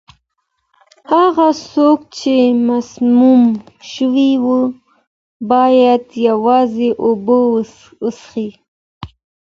هغه څوک چې مسموم شوی وي، باید یوازې اوبه وڅښي.